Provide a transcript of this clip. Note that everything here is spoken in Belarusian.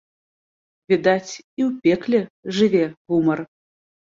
Відаць, і ў пекле жыве гумар.